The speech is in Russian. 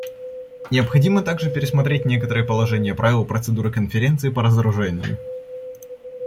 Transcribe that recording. Необходимо также пересмотреть некоторые положения правил процедуры Конференции по разоружению.